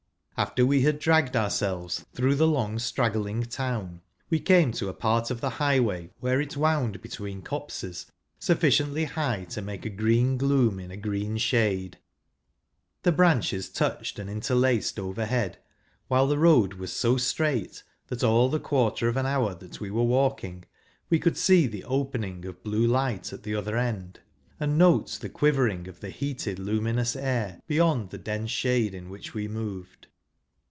After we had di'agged ourselves through the long straggling town, we came to a part of the highway where it wound between copses sufficiently high to make a green gloom in a green shade ; the branches touched and interlaced overhead, while the road was so straight, that all the quarter of an hour that we were walking we could see the opening of blue light at the other end, and note the quivering of the heated luminous air beyond the dense shade in which we moved.